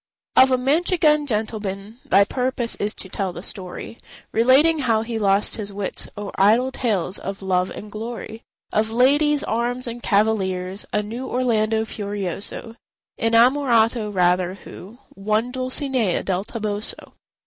Of a Manchegan gentleman Thy purpose is to tell the story, Relating how he lost his wits O'er idle tales of love and glory, Of "ladies, arms, and cavaliers:" A new Orlando Furioso— Innamorato, rather—who Won Dulcinea del Toboso.